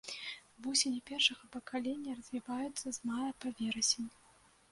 Вусені першага пакалення развіваюцца з мая па верасень.